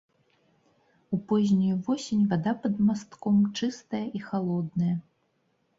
У познюю восень вада пад мастком чыстая і халодная.